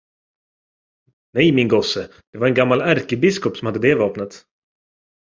Nej, min gosse, det var en gammal ärkebiskop som hade det vapnet!